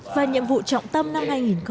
và nhiệm vụ trọng tâm năm hai nghìn một mươi bảy